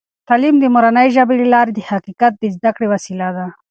تعلیم د مورنۍ ژبې له لارې د حقیقت د زده کړې وسیله ده.